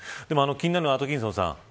気になるのはアトキンソンさん